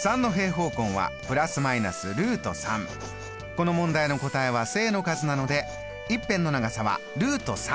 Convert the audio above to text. この問題の答えは正の数なので１辺の長さはです。